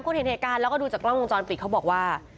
เห็นเหตุการณ์แล้วก็ดูจากกล้องวงจรปิดเขาบอกว่า